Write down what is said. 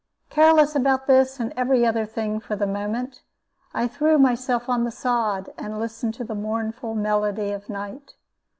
Careless about this and every other thing for the moment, I threw myself on the sod, and listened to the mournful melody of night.